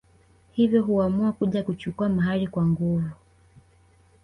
Hivyo huamua kuja kuchukua mahari kwa nguvu